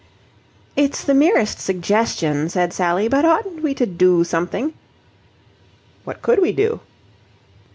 "It's the merest suggestion," said Sally, "but oughtn't we to do something?" "What could we do?"